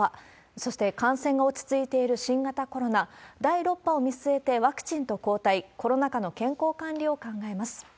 そして感染が落ち着いている新型コロナ、第６波を見据えてワクチンと抗体、コロナ禍の健康管理を考えます。